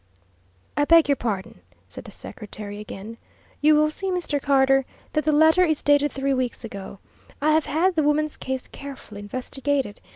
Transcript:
"I beg your pardon," said the secretary again. "You will see, Mr. Carter, that that letter is dated three weeks ago. I have had the woman's case carefully investigated.